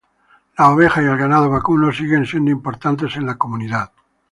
Las ovejas y el ganado vacuno siguen siendo importantes en la comunidad.